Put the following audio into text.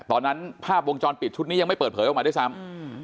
ภาพวงจรปิดชุดนี้ยังไม่เปิดเผยออกมาด้วยซ้ำ